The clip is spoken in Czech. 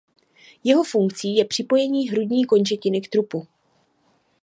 Jeho funkcí je připojení hrudní končetiny k trupu.